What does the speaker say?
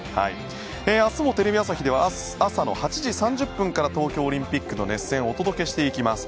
明日もテレビ朝日では朝の８時３０分から東京オリンピックの熱戦をお届けします。